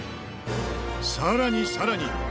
さらに、さらに！